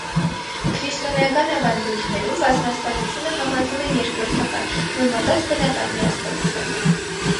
Քրիստոնեական ավանդույթներում բազմաստվածությունը համարվում է երկրորդական՝ համեմատած բնական միասվածության հետ։